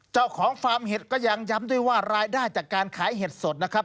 เจ้าของฟาร์มเห็ดก็ยังย้ำด้วยว่ารายได้จากการขายเห็ดสดนะครับ